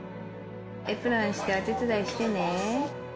エプロンしてお手伝いしてね。